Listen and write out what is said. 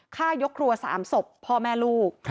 ฆ่ายกครัว๓ศพพ่อแม่ลูก